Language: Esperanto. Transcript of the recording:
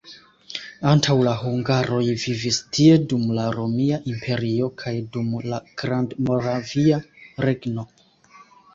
Antaŭ la hungaroj vivis tie dum la Romia Imperio kaj dum la Grandmoravia Regno.